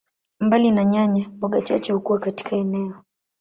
Mbali na nyanya, mboga chache hukua katika eneo.